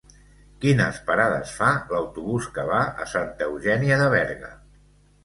Quines parades fa l'autobús que va a Santa Eugènia de Berga?